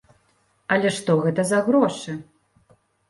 Але што гэта за грошы!?